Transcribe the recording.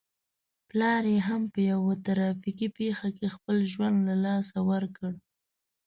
پلار يې هم په يوه ترافيکي پېښه کې خپل ژوند له لاسه ور کړ.